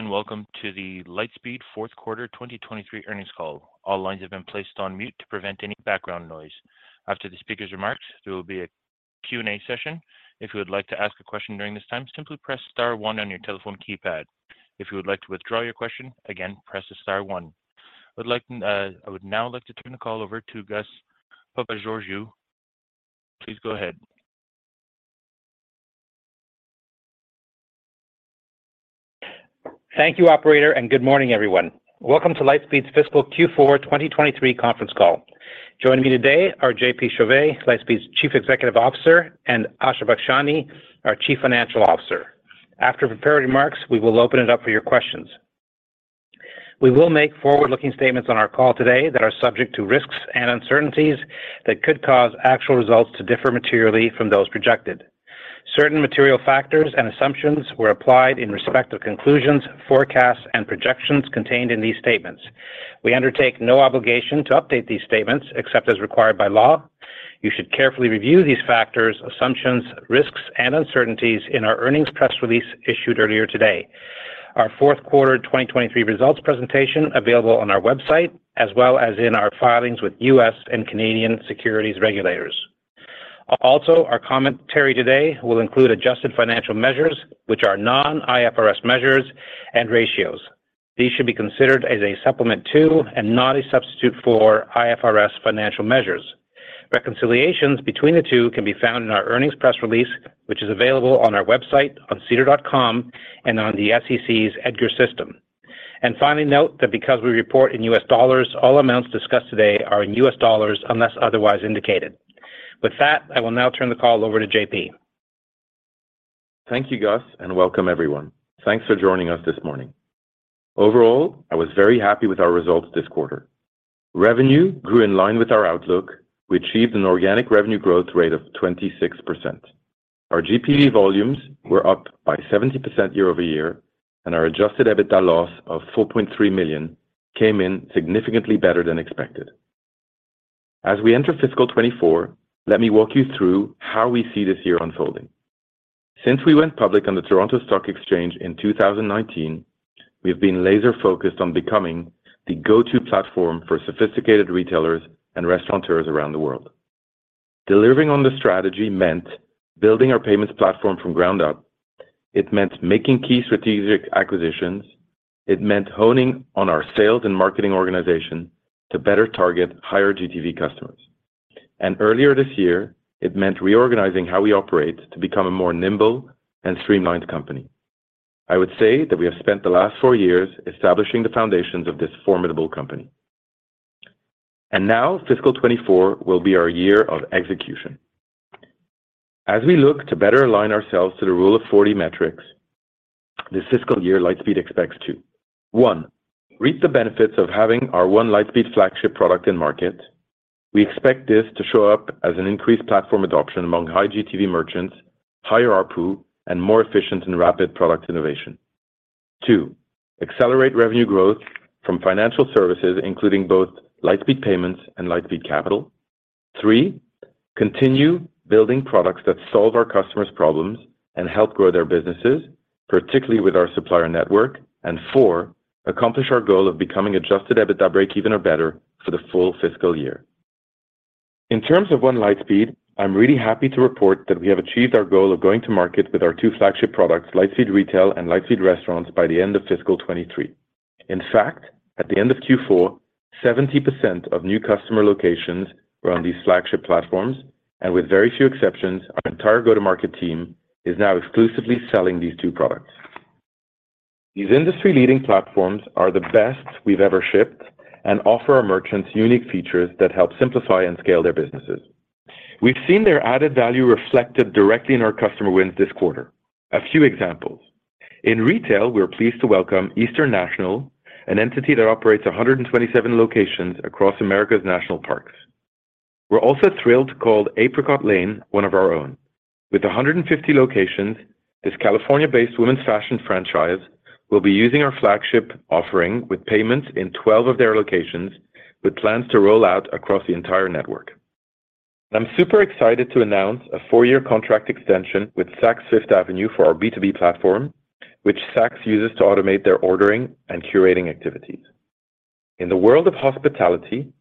Hello and welcome to the Lightspeed Fourth Quarter 2023 Earnings Call. All lines have been placed on mute to prevent any background noise. After the speaker's remarks, there will be a Q&A session. If you would like to ask a question during this time, simply press star one on your telephone keypad. If you would like to withdraw your question, again, press star one. I would now like to turn the call over to Gus Papageorgiou. Please go ahead. Thank you, operator. Good morning, everyone. Welcome to Lightspeed's Fiscal Q4 2023 Conference Call. Joining me today are JP Chauvet, Lightspeed's Chief Executive Officer, and Asha Bakshani, our Chief Financial Officer. After prepared remarks, we will open it up for your questions. We will make forward-looking statements on our call today that are subject to risks and uncertainties that could cause actual results to differ materially from those projected. Certain material factors and assumptions were applied in respect of conclusions, forecasts, and projections contained in these statements. We undertake no obligation to update these statements except as required by law. You should carefully review these factors, assumptions, risks, and uncertainties in our earnings press release issued earlier today. Our fourth quarter 2023 results presentation available on our website, as well as in our filings with U.S. and Canadian securities regulators. Our commentary today will include adjusted financial measures, which are non-IFRS measures and ratios. These should be considered as a supplement to and not a substitute for IFRS financial measures. Reconciliations between the two can be found in our earnings press release, which is available on our website, on sedar.com, and on the SEC's EDGAR system. Finally, note that because we report in U.S. dollars, all amounts discussed today are in U.S. dollars unless otherwise indicated. With that, I will now turn the call over to J.P. Thank you, Gus. Welcome everyone. Thanks for joining us this morning. Overall, I was very happy with our results this quarter. Revenue grew in line with our outlook. We achieved an organic revenue growth rate of 26%. Our GPV volumes were up by 70% year-over-year. Our adjusted EBITDA loss of $4.3 million came in significantly better than expected. As we enter fiscal 2024, let me walk you through how we see this year unfolding. Since we went public on the Toronto Stock Exchange in 2019, we've been laser-focused on becoming the go-to platform for sophisticated retailers and restaurateurs around the world. Delivering on the strategy meant building our payments platform from ground up. It meant making key strategic acquisitions. It meant honing on our sales and marketing organization to better target higher GTV customers. Earlier this year, it meant reorganizing how we operate to become a more nimble and streamlined company. I would say that we have spent the last four years establishing the foundations of this formidable company. Now fiscal 2024 will be our year of execution. As we look to better align ourselves to the Rule of 40 metrics, this fiscal year, Lightspeed expects to, one, reap the benefits of having our One Lightspeed flagship product in market. We expect this to show up as an increased platform adoption among high GTV merchants, higher ARPU, and more efficient and rapid product innovation. Two, accelerate revenue growth from financial services, including both Lightspeed Payments and Lightspeed Capital. Three, continue building products that solve our customers' problems and help grow their businesses, particularly with our Supplier Network. Four, accomplish our goal of becoming adjusted EBITDA breakeven or better for the full fiscal year. In terms of One Lightspeed, I'm really happy to report that we have achieved our goal of going to market with our two flagship products, Lightspeed Retail and Lightspeed Restaurant, by the end of fiscal 2023. At the end of Q4, 70% of new customer locations were on these flagship platforms, and with very few exceptions, our entire go-to-market team is now exclusively selling these two products. These industry-leading platforms are the best we've ever shipped and offer our merchants unique features that help simplify and scale their businesses. We've seen their added value reflected directly in our customer wins this quarter. A few examples. In retail, we are pleased to welcome Eastern National, an entity that operates 127 locations across America's national parks. We're also thrilled to call Apricot Lane one of our own. With 150 locations, this California-based women's fashion franchise will be using our flagship offering with payments in 12 of their locations with plans to roll out across the entire network. I'm super excited to announce a 4-year contract extension with Saks Fifth Avenue for our B2B platform, which Saks uses to automate their ordering and curating activities. In the world of hospitality,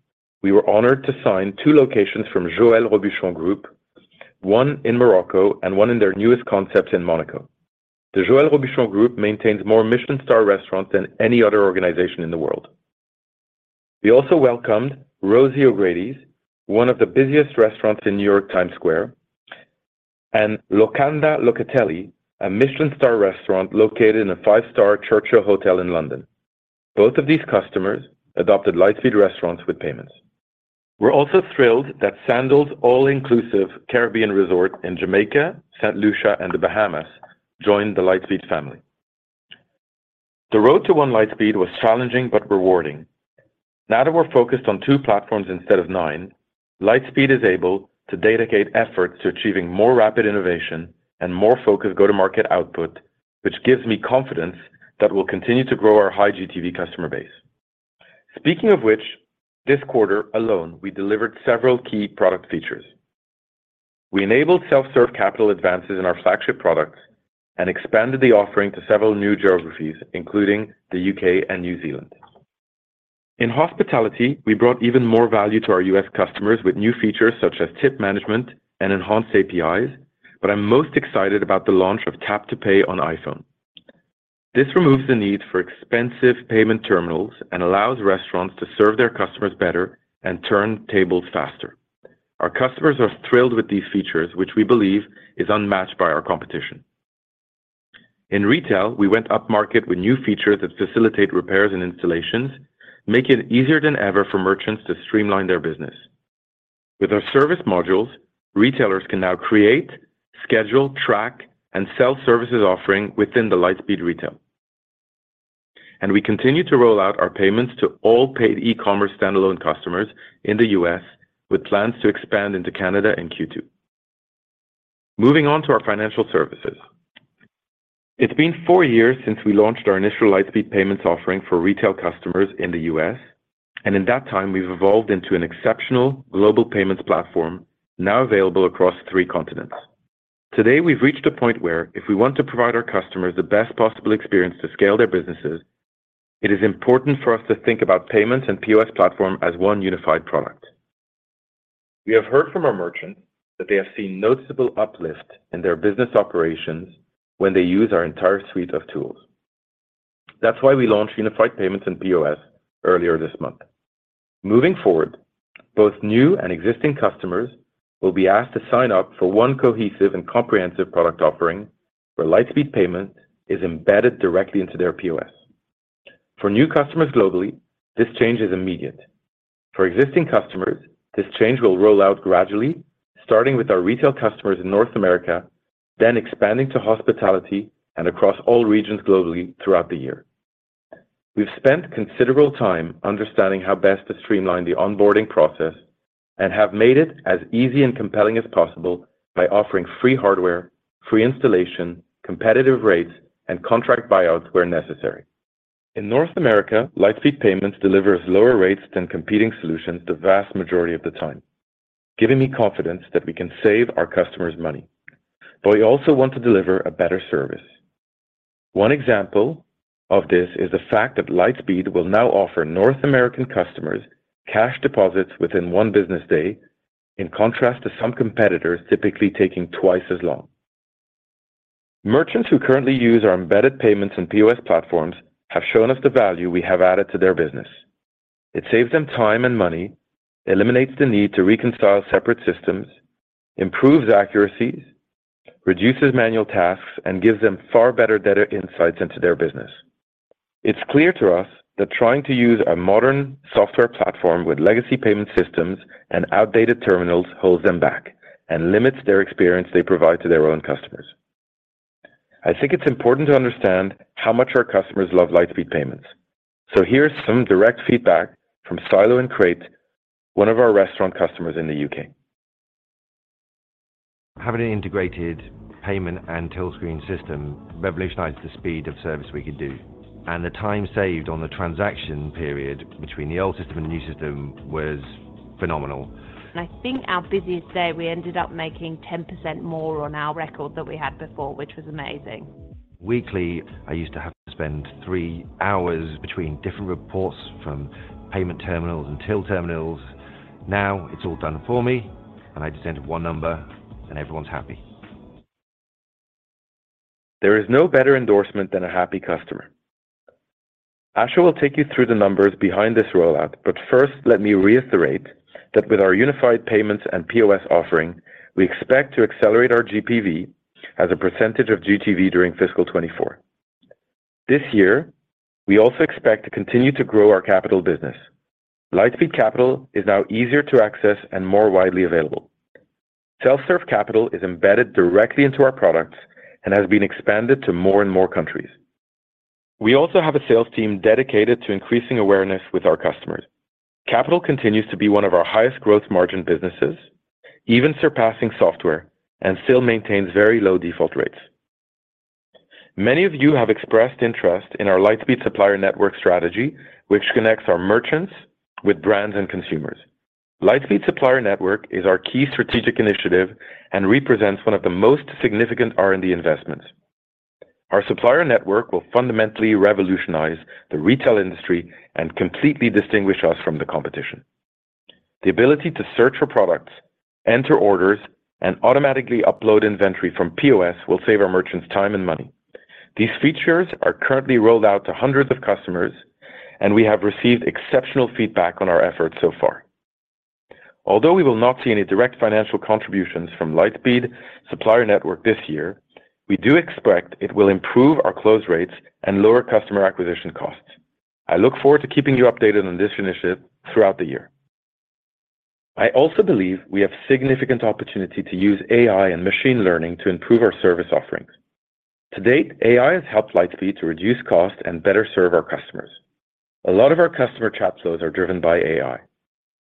we were honored to sign two locations from Joël Robuchon Group, one in Morocco and one in their newest concept in Monaco. The Joël Robuchon Group maintains more Michelin star restaurants than any other organization in the world. We also welcomed Rosie O'Grady's, one of the busiest restaurants in New York Times Square, and Locanda Locatelli, a Michelin star restaurant located in a 5-star Churchill Hotel in London. Both of these customers adopted Lightspeed Restaurant with Lightspeed Payments. We're also thrilled that Sandals All Inclusive Caribbean Resort in Jamaica, St. Lucia, and the Bahamas joined the Lightspeed family. The road to One Lightspeed was challenging but rewarding. Now that we're focused on two platforms instead of nine, Lightspeed is able to dedicate efforts to achieving more rapid innovation and more focused go-to-market output, which gives me confidence that we'll continue to grow our high GTV customer base. Speaking of which, this quarter alone, we delivered several key product features. We enabled self-serve capital advances in our flagship products and expanded the offering to several new geographies, including the U.K. and New Zealand. In hospitality, we brought even more value to our U.S. customers with new features such as tip management and enhanced APIs. I'm most excited about the launch of Tap to Pay on iPhone. This removes the need for expensive payment terminals and allows restaurants to serve their customers better and turn tables faster. Our customers are thrilled with these features, which we believe is unmatched by our competition. In retail, we went upmarket with new features that facilitate repairs and installations, make it easier than ever for merchants to streamline their business. With our service modules, retailers can now create, schedule, track, and sell services offering within the Lightspeed Retail. We continue to roll out our payments to all paid e-commerce standalone customers in the U.S. with plans to expand into Canada in Q2. Moving on to our financial services. It's been four years since we launched our initial Lightspeed Payments offering for retail customers in the U.S., and in that time we've evolved into an exceptional global payments platform now available across three continents. Today, we've reached a point where if we want to provide our customers the best possible experience to scale their businesses, it is important for us to think about payments and POS platform as one unified product. We have heard from our merchants that they have seen noticeable uplift in their business operations when they use our entire suite of tools. That's why we launched Unified Payments and POS earlier this month. Moving forward, both new and existing customers will be asked to sign up for one cohesive and comprehensive product offering where Lightspeed Payments is embedded directly into their POS. For new customers globally, this change is immediate. For existing customers, this change will roll out gradually, starting with our retail customers in North America, then expanding to hospitality and across all regions globally throughout the year. We've spent considerable time understanding how best to streamline the onboarding process and have made it as easy and compelling as possible by offering free hardware, free installation, competitive rates, and contract buyouts where necessary. In North America, Lightspeed Payments delivers lower rates than competing solutions the vast majority of the time, giving me confidence that we can save our customers money. We also want to deliver a better service. One example of this is the fact that Lightspeed will now offer North American customers cash deposits within one business day, in contrast to some competitors typically taking twice as long. Merchants who currently use our embedded payments and POS platforms have shown us the value we have added to their business. It saves them time and money, eliminates the need to reconcile separate systems, improves accuracy, reduces manual tasks, and gives them far better data insights into their business. It's clear to us that trying to use a modern software platform with legacy payment systems and outdated terminals holds them back and limits their experience they provide to their own customers. I think it's important to understand how much our customers love Lightspeed Payments. Here's some direct feedback from Silo and Crate, one of our restaurant customers in the U.K.. Having an integrated payment and till screen system revolutionized the speed of service we could do. The time saved on the transaction period between the old system and the new system was phenomenal. I think our busiest day, we ended up making 10% more on our record than we had before, which was amazing. Weekly, I used to have to spend three hours between different reports from payment terminals and till terminals. Now it's all done for me, and I just enter one number and everyone's happy. There is no better endorsement than a happy customer. Asha will take you through the numbers behind this rollout, but first let me reiterate that with our unified payments and POS offering, we expect to accelerate our GPV as a percentage of GTV during fiscal 2024. This year, we also expect to continue to grow our capital business. Lightspeed Capital is now easier to access and more widely available. Self-serve capital is embedded directly into our products and has been expanded to more and more countries. We also have a sales team dedicated to increasing awareness with our customers. Capital continues to be one of our highest growth margin businesses, even surpassing software, and still maintains very low default rates. Many of you have expressed interest in our Lightspeed Supplier Network strategy, which connects our merchants with brands and consumers. Lightspeed Supplier Network is our key strategic initiative and represents one of the most significant R&D investments. Our supplier network will fundamentally revolutionize the retail industry and completely distinguish us from the competition. The ability to search for products, enter orders, and automatically upload inventory from POS will save our merchants time and money. These features are currently rolled out to hundreds of customers, and we have received exceptional feedback on our efforts so far. Although we will not see any direct financial contributions from Lightspeed Supplier Network this year, we do expect it will improve our close rates and lower customer acquisition costs. I look forward to keeping you updated on this initiative throughout the year. I also believe we have significant opportunity to use AI and machine learning to improve our service offerings. To date, AI has helped Lightspeed to reduce costs and better serve our customers. A lot of our customer chat flows are driven by AI.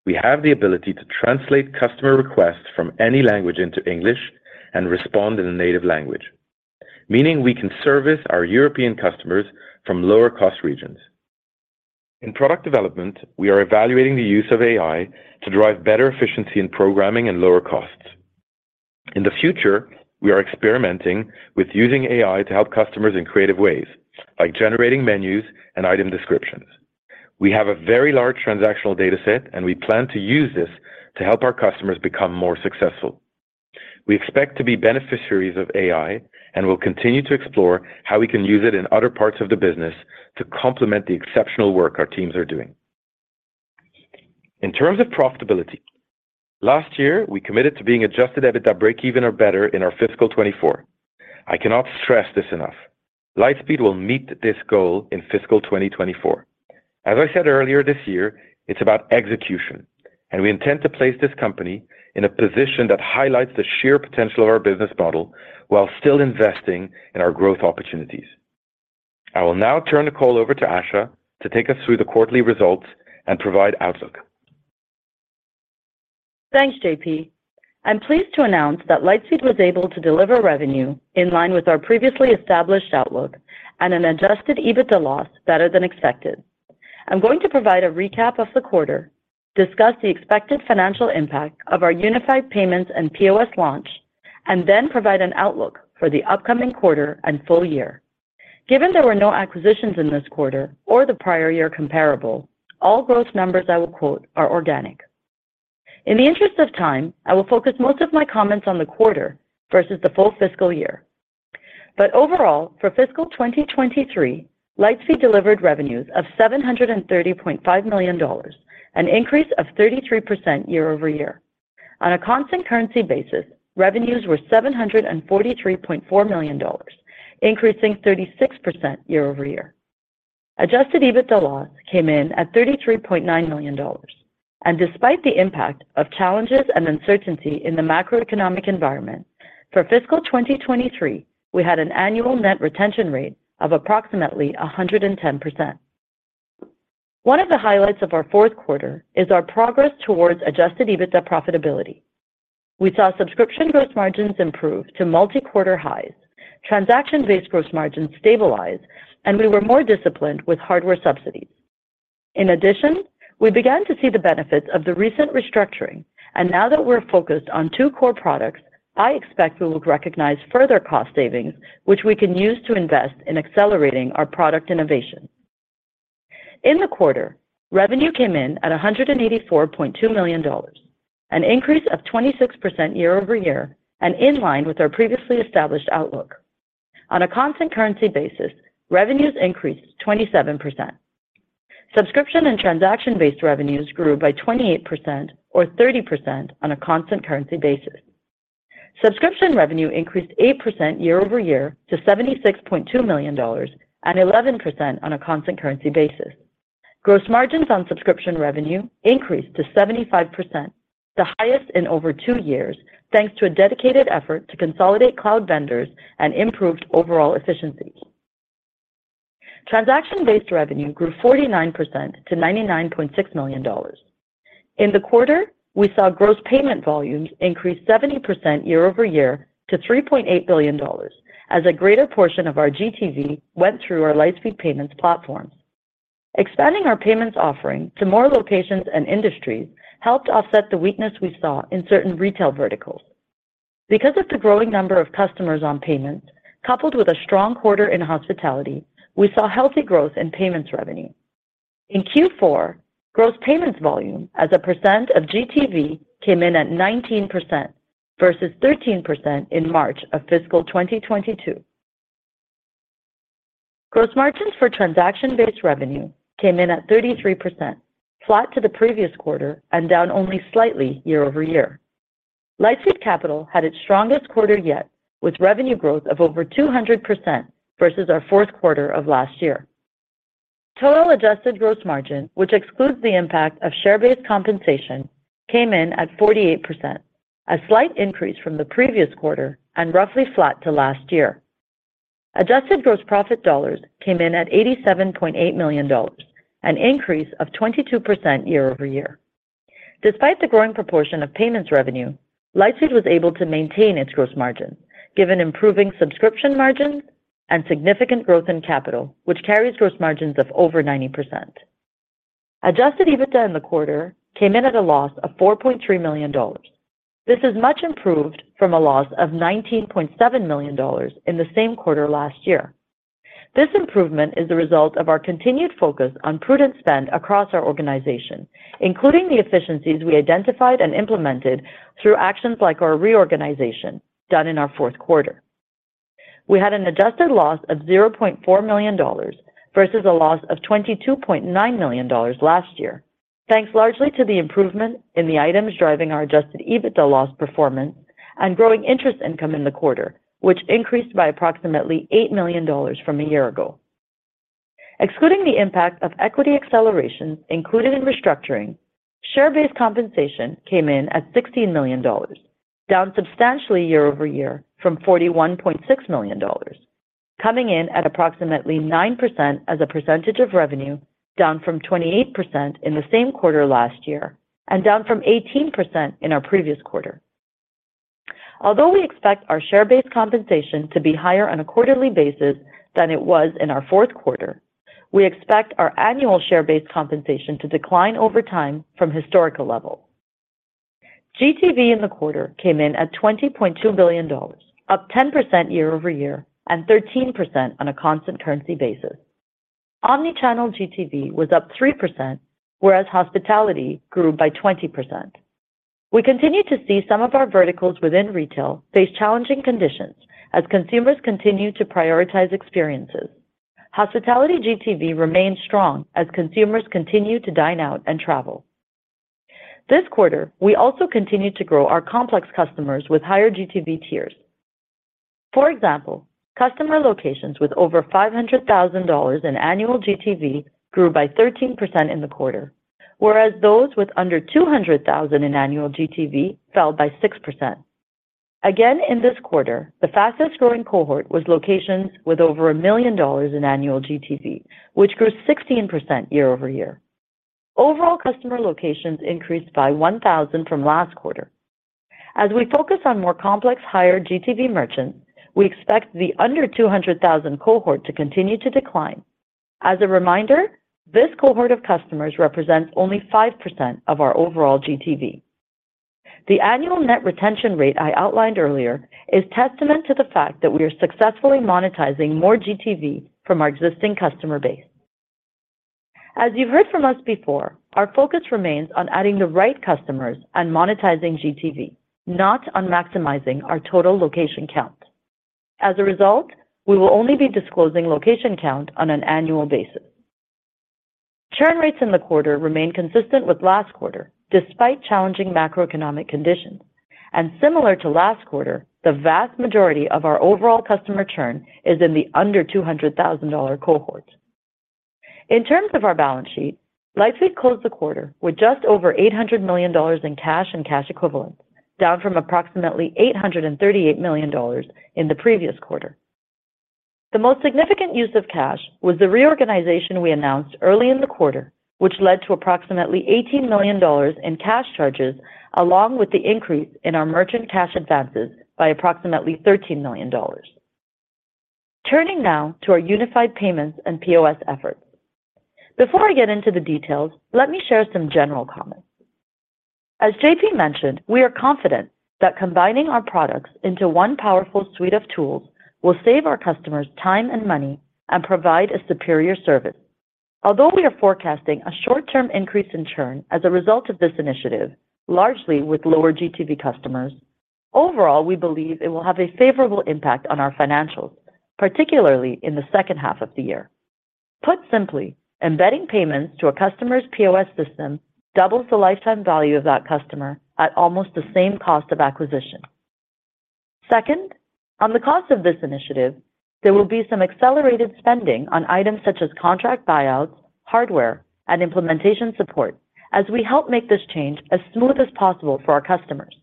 We have the ability to translate customer requests from any language into English and respond in a native language, meaning we can service our European customers from lower cost regions. In product development, we are evaluating the use of AI to drive better efficiency in programming and lower costs. In the future, we are experimenting with using AI to help customers in creative ways, like generating menus and item descriptions. We have a very large transactional data set, and we plan to use this to help our customers become more successful. We expect to be beneficiaries of AI, and we'll continue to explore how we can use it in other parts of the business to complement the exceptional work our teams are doing. In terms of profitability, last year, we committed to being adjusted EBITDA breakeven or better in our fiscal 2024. I cannot stress this enough. Lightspeed will meet this goal in fiscal 2024. As I said earlier this year, it's about execution, and we intend to place this company in a position that highlights the sheer potential of our business model while still investing in our growth opportunities. I will now turn the call over to Asha to take us through the quarterly results and provide outlook. Thanks, JP. I'm pleased to announce that Lightspeed was able to deliver revenue in line with our previously established outlook and an adjusted EBITDA loss better than expected. I'm going to provide a recap of the quarter, discuss the expected financial impact of our unified Payments and POS launch, and then provide an outlook for the upcoming quarter and full year. Given there were no acquisitions in this quarter or the prior year comparable, all growth numbers I will quote are organic. In the interest of time, I will focus most of my comments on the quarter versus the full fiscal year. Overall, for fiscal 2023, Lightspeed delivered revenues of $730.5 million, an increase of 33% year-over-year. On a constant currency basis, revenues were $743.4 million, increasing 36% year-over-year. Adjusted EBITDA loss came in at $33.9 million. Despite the impact of challenges and uncertainty in the macroeconomic environment, for fiscal 2023, we had an annual net retention rate of approximately 110%. One of the highlights of our fourth quarter is our progress towards adjusted EBITDA profitability. We saw subscription gross margins improve to multi-quarter highs, transaction-based gross margins stabilize, and we were more disciplined with hardware subsidies. In addition, we began to see the benefits of the recent restructuring, and now that we're focused on two core products, I expect we will recognize further cost savings, which we can use to invest in accelerating our product innovation. In the quarter, revenue came in at $184.2 million, an increase of 26% year-over-year and in line with our previously established outlook. On a constant currency basis, revenues increased 27%. Subscription and transaction-based revenues grew by 28% or 30% on a constant currency basis. Subscription revenue increased 8% year-over-year to $76.2 million and 11% on a constant currency basis. Gross margins on subscription revenue increased to 75%, the highest in over two years, thanks to a dedicated effort to consolidate cloud vendors and improved overall efficiency. Transaction-based revenue grew 49% to $99.6 million. In the quarter, we saw gross payment volumes increase 70% year-over-year to $3.8 billion as a greater portion of our GTV went through our Lightspeed Payments platforms. Expanding our payments offering to more locations and industries helped offset the weakness we saw in certain retail verticals. Because of the growing number of customers on payments, coupled with a strong quarter in hospitality, we saw healthy growth in payments revenue. In Q4, gross payments volume as a percent of GTV came in at 19% versus 13% in March of fiscal 2022. Gross margins for transaction-based revenue came in at 33%, flat to the previous quarter and down only slightly year-over-year. Lightspeed Capital had its strongest quarter yet with revenue growth of over 200% versus our fourth quarter of last year. Total adjusted gross margin, which excludes the impact of share-based compensation, came in at 48%, a slight increase from the previous quarter and roughly flat to last year. Adjusted gross profit dollars came in at $87.8 million, an increase of 22% year-over-year. Despite the growing proportion of payments revenue, Lightspeed was able to maintain its gross margin, given improving subscription margins and significant growth in Lightspeed Capital, which carries gross margins of over 90%. Adjusted EBITDA in the quarter came in at a loss of $4.3 million. This is much improved from a loss of $19.7 million in the same quarter last year. This improvement is the result of our continued focus on prudent spend across our organization, including the efficiencies we identified and implemented through actions like our reorganization done in our fourth quarter. We had an adjusted loss of $0.4 million versus a loss of $22.9 million last year, thanks largely to the improvement in the items driving our adjusted EBITDA loss performance and growing interest income in the quarter, which increased by approximately $8 million from a year ago. Excluding the impact of equity acceleration included in restructuring, share-based compensation came in at $16 million, down substantially year-over-year from $41.6 million, coming in at approximately 9% as a percentage of revenue, down from 28% in the same quarter last year and down from 18% in our previous quarter. Although we expect our share-based compensation to be higher on a quarterly basis than it was in our fourth quarter, we expect our annual share-based compensation to decline over time from historical level. GTV in the quarter came in at $20.2 billion, up 10% year-over-year, and 13% on a constant currency basis. Omnichannel GTV was up 3%, whereas hospitality grew by 20%. We continue to see some of our verticals within retail face challenging conditions as consumers continue to prioritize experiences. Hospitality GTV remains strong as consumers continue to dine out and travel. This quarter, we also continued to grow our complex customers with higher GTV tiers. For example, customer locations with over $500,000 in annual GTV grew by 13% in the quarter, whereas those with under $200,000 in annual GTV fell by 6%. In this quarter, the fastest-growing cohort was locations with over $1 million in annual GTV, which grew 16% year-over-year. Overall customer locations increased by 1,000 from last quarter. As we focus on more complex, higher GTV merchants, we expect the under $200,000 cohort to continue to decline. As a reminder, this cohort of customers represents only 5% of our overall GTV. The annual net retention rate I outlined earlier is testament to the fact that we are successfully monetizing more GTV from our existing customer base. As you've heard from us before, our focus remains on adding the right customers and monetizing GTV, not on maximizing our total location count. As a result, we will only be disclosing location count on an annual basis. Churn rates in the quarter remain consistent with last quarter, despite challenging macroeconomic conditions. Similar to last quarter, the vast majority of our overall customer churn is in the under $200,000 cohort. In terms of our balance sheet, Lightspeed closed the quarter with just over $800 million in cash and cash equivalents, down from approximately $838 million in the previous quarter. The most significant use of cash was the reorganization we announced early in the quarter, which led to approximately $18 million in cash charges, along with the increase in our merchant cash advances by approximately $13 million. Turning now to our unified payments and POS efforts. Before I get into the details, let me share some general comments. As JP mentioned, we are confident that combining our products into one powerful suite of tools will save our customers time and money and provide a superior service. Although we are forecasting a short-term increase in churn as a result of this initiative, largely with lower GTV customers, overall, we believe it will have a favorable impact on our financials, particularly in the second half of the year. Put simply, embedding payments to a customer's POS system doubles the lifetime value of that customer at almost the same cost of acquisition. Second, on the cost of this initiative, there will be some accelerated spending on items such as contract buyouts, hardware, and implementation support as we help make this change as smooth as possible for our customers.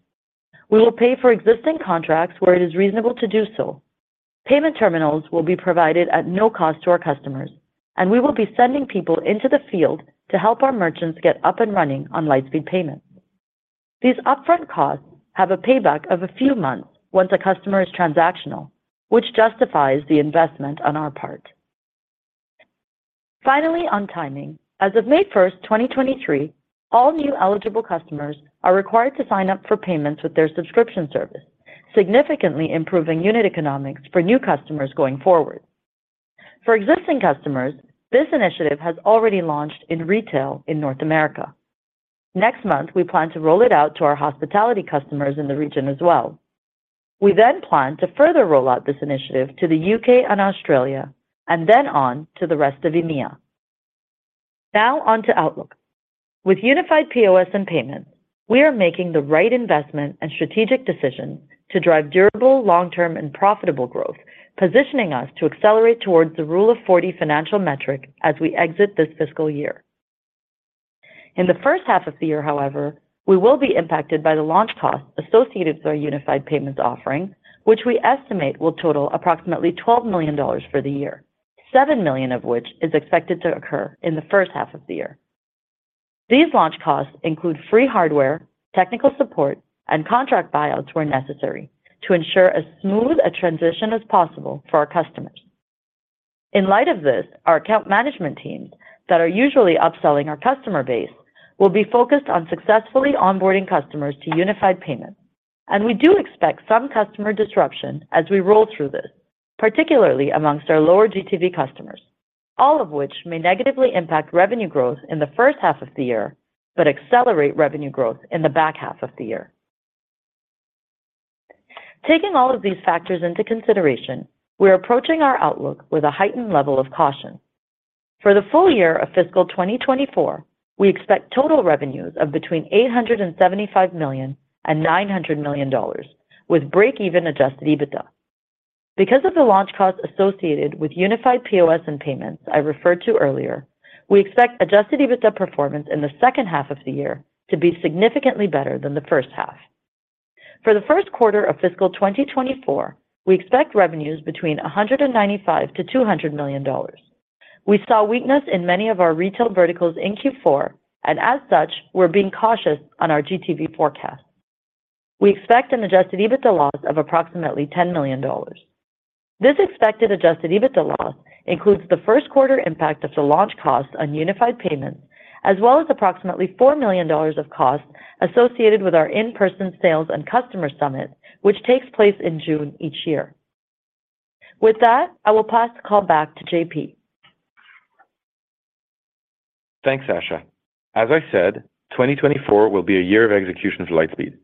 We will pay for existing contracts where it is reasonable to do so. Payment terminals will be provided at no cost to our customers, and we will be sending people into the field to help our merchants get up and running on Lightspeed Payments. These upfront costs have a payback of a few months once a customer is transactional, which justifies the investment on our part. On timing, as of May 1st, 2023, all new eligible customers are required to sign up for payments with their subscription service, significantly improving unit economics for new customers going forward. For existing customers, this initiative has already launched in retail in North America. Next month, we plan to roll it out to our hospitality customers in the region as well. We plan to further roll out this initiative to the U.K. and Australia, and then on to the rest of EMEA. On to outlook. With unified POS and payments, we are making the right investment and strategic decisions to drive durable, long-term, and profitable growth, positioning us to accelerate towards the Rule of 40 financial metric as we exit this fiscal year. In the first half of the year, however, we will be impacted by the launch costs associated with our unified Payments offering, which we estimate will total approximately $12 million for the year, $7 million of which is expected to occur in the first half of the year. These launch costs include free hardware, technical support, and contract buyouts where necessary to ensure as smooth a transition as possible for our customers. In light of this, our account management teams that are usually upselling our customer base will be focused on successfully onboarding customers to unified Payments. We do expect some customer disruption as we roll through this, particularly amongst our lower GTV customers, all of which may negatively impact revenue growth in the first half of the year but accelerate revenue growth in the back half of the year. Taking all of these factors into consideration, we're approaching our outlook with a heightened level of caution. For the full year of fiscal 2024, we expect total revenues of between $875 million and $900 million, with break-even adjusted EBITDA. Because of the launch costs associated with unified POS and payments I referred to earlier, we expect adjusted EBITDA performance in the second half of the year to be significantly better than the first half. For the first quarter of fiscal 2024, we expect revenues between $195 million-$200 million. We saw weakness in many of our retail verticals in Q4, and as such, we're being cautious on our GTV forecast. We expect an adjusted EBITDA loss of approximately $10 million. This expected adjusted EBITDA loss includes the first quarter impact of the launch costs on unified payments, as well as approximately $4 million of costs associated with our in-person sales and customer summit, which takes place in June each year. With that, I will pass the call back to JP. Thanks, Asha. As I said, 2024 will be a year of execution for Lightspeed.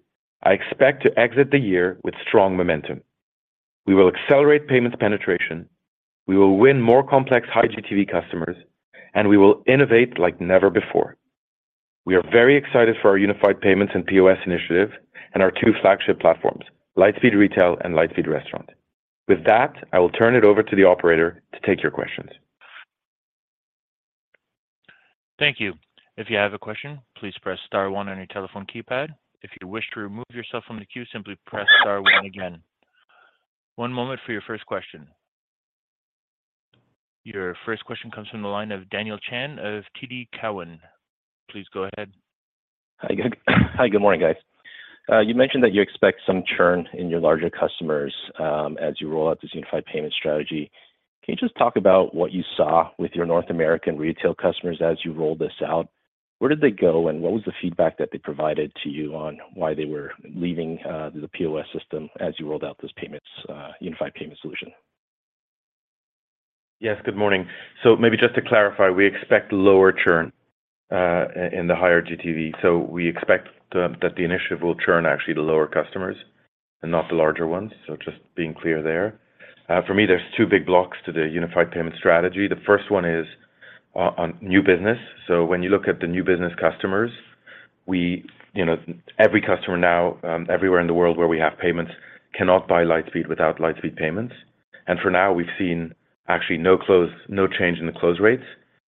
I expect to exit the year with strong momentum. We will accelerate payments penetration, we will win more complex high GTV customers, and we will innovate like never before. We are very excited for our unified payments and POS initiative and our two flagship platforms, Lightspeed Retail and Lightspeed Restaurant. With that, I will turn it over to the operator to take your questions. Thank you. If you have a question, please press star one on your telephone keypad. If you wish to remove yourself from the queue, simply press star one again. One moment for your first question. Your first question comes from the line of Daniel Chan of TD Cowen. Please go ahead. Hi, good morning, guys. You mentioned that you expect some churn in your larger customers, as you roll out this unified payment strategy. Can you just talk about what you saw with your North American retail customers as you rolled this out? Where did they go, and what was the feedback that they provided to you on why they were leaving, the POS system as you rolled out this payments, unified payment solution? Yes, good morning. Maybe just to clarify, we expect lower churn in the higher GTV. We expect that the initiative will churn actually the lower customers and not the larger ones. Just being clear there. For me, there's two big blocks to the unified payment strategy. The first one is on new business. When you look at the new business customers, we, you know, every customer now, everywhere in the world where we have payments cannot buy Lightspeed without Lightspeed Payments. For now, we've seen actually no change in the close rates,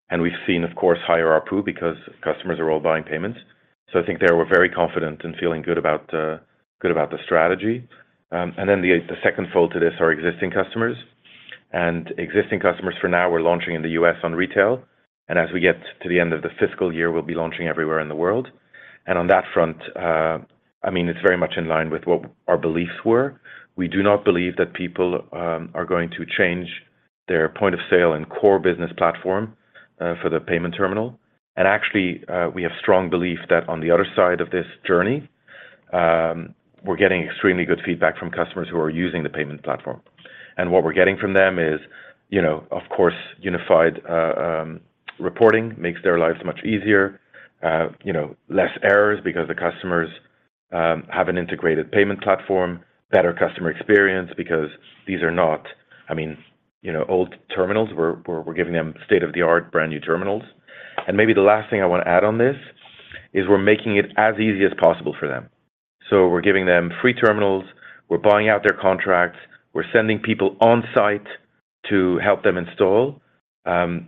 and we've seen, of course, higher ARPU because customers are all buying payments. I think there we're very confident and feeling good about good about the strategy. Then the second fold to this are existing customers. Existing customers for now we're launching in the U.S. on retail, and as we get to the end of the fiscal year, we'll be launching everywhere in the world. On that front, I mean, it's very much in line with what our beliefs were. We do not believe that people are going to change their point of sale and core business platform for the payment terminal. Actually, we have strong belief that on the other side of this journey, we're getting extremely good feedback from customers who are using the payment platform. What we're getting from them is, you know, of course, unified reporting makes their lives much easier. You know, less errors because the customers have an integrated payment platform, better customer experience because these are not, I mean, you know, old terminals. We're giving them state-of-the-art brand new terminals. Maybe the last thing I wanna add on this is we're making it as easy as possible for them. We're giving them free terminals, we're buying out their contracts, we're sending people on-site to help them install. And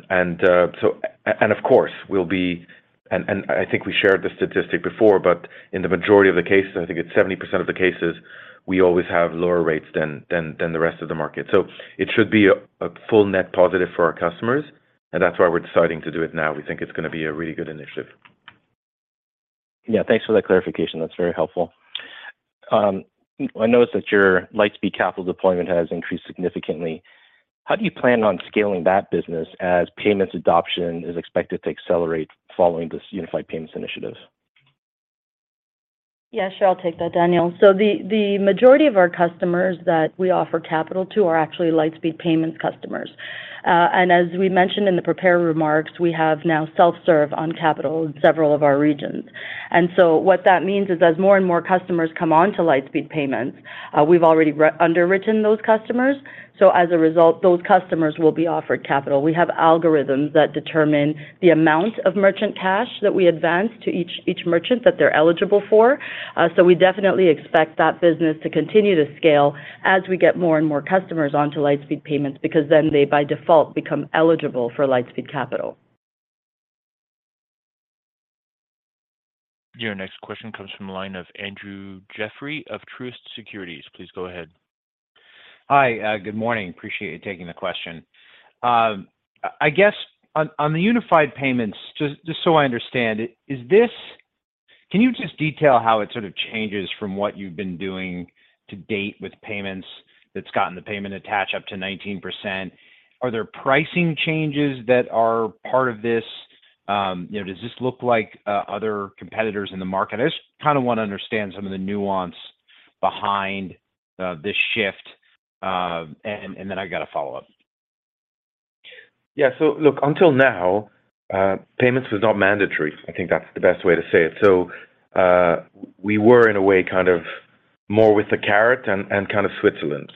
of course, we'll be and I think we shared the statistic before, but in the majority of the cases, I think it's 70% of the cases, we always have lower rates than the rest of the market. It should be a full net positive for our customers, and that's why we're deciding to do it now. We think it's gonna be a really good initiative. Yeah. Thanks for that clarification. That's very helpful. I noticed that your Lightspeed Capital deployment has increased significantly. How do you plan on scaling that business as payments adoption is expected to accelerate following this unified payments initiative? Yeah, sure. I'll take that, Daniel. The majority of our customers that we offer capital to are actually Lightspeed Payments customers. As we mentioned in the prepared remarks, we have now self-serve on capital in several of our regions. What that means is as more and more customers come on to Lightspeed Payments, we've already underwritten those customers. As a result, those customers will be offered capital. We have algorithms that determine the amount of merchant cash that we advance to each merchant that they're eligible for. We definitely expect that business to continue to scale as we get more and more customers onto Lightspeed Payments, because then they by default become eligible for Lightspeed Capital. Your next question comes from the line of Andrew Jeffrey of Truist Securities. Please go ahead. Hi. Good morning. Appreciate you taking the question. I guess on the unified payments, just so I understand it, can you just detail how it sort of changes from what you've been doing to date with payments that's gotten the payment attach up to 19%? Are there pricing changes that are part of this? You know, does this look like other competitors in the market? I just kinda wanna understand some of the nuance behind this shift. Then I got a follow-up. Yeah. Look, until now, payments was not mandatory. I think that's the best way to say it. We were in a way kind of more with the carrot and kind of Switzerland.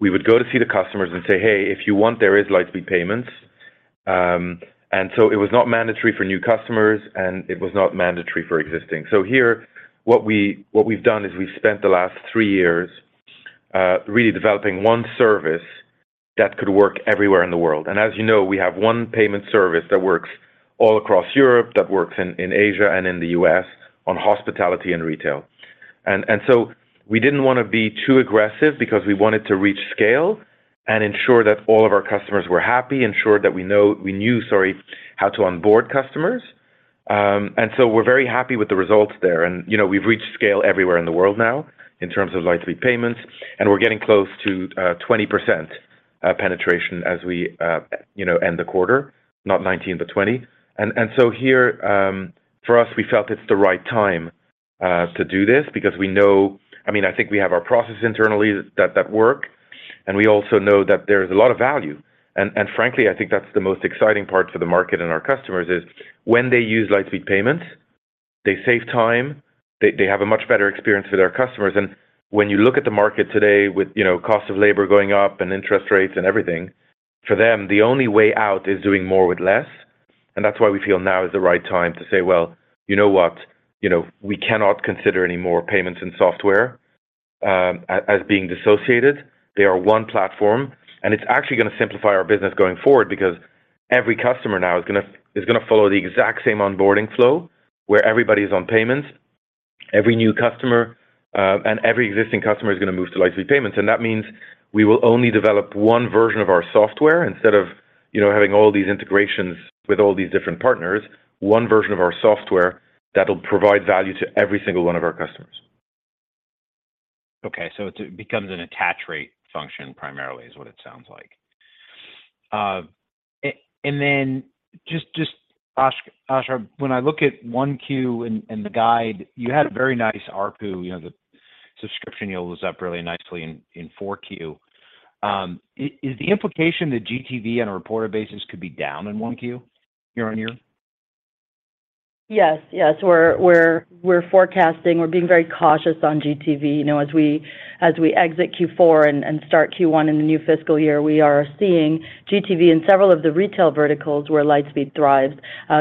We would go to see the customers and say, "Hey, if you want, there is Lightspeed Payments." It was not mandatory for new customers, and it was not mandatory for existing. Here, what we've done is we've spent the last three years really developing one service that could work everywhere in the world. As you know, we have one payment service that works all across Europe, that works in Asia and in the U.S. on hospitality and retail. So we didn't wanna be too aggressive because we wanted to reach scale and ensure that all of our customers were happy, ensure that we knew, sorry, how to onboard customers. So we're very happy with the results there. You know, we've reached scale everywhere in the world now in terms of Lightspeed Payments, and we're getting close to 20% penetration as we, you know, end the quarter, not 19 but 20. So here, for us, we felt it's the right time to do this because we know... I mean, I think we have our process internally that work, and we also know that there is a lot of value. Frankly, I think that's the most exciting part for the market and our customers is when they use Lightspeed Payments, they save time, they have a much better experience with their customers. When you look at the market today with, you know, cost of labor going up and interest rates and everything, for them, the only way out is doing more with less. That's why we feel now is the right time to say, "Well, you know what? You know, we cannot consider any more payments and software as being dissociated. They are one platform. It's actually going to simplify our business going forward because every customer now is going to follow the exact same onboarding flow, where everybody is on payments. Every new customer and every existing customer is going to move to Lightspeed Payments. That means we will only develop one version of our software instead of, you know, having all these integrations with all these different partners. One version of our software that'll provide value to every single one of our customers. Okay. It becomes an attach rate function primarily is what it sounds like. And then just Asha, when I look at one Q and the guide, you had a very nice ARPU, you know, the subscription yield was up really nicely in four Q. Is the implication that GTV on a reported basis could be down in one Q year-on-year? Yes. Yes. We're forecasting. We're being very cautious on GTV, you know, as we exit Q4 and start Q1 in the new fiscal year. We are seeing GTV in several of the retail verticals where Lightspeed thrives,